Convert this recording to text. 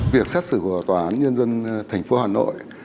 việc xét xử của tòa án nhân dân thành phố hà nội